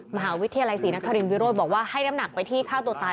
มหาวิทยาลัยศรีนครินวิโรธบอกว่าให้น้ำหนักไปที่ฆ่าตัวตาย